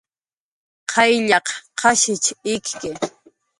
Qayllaq qashich ikki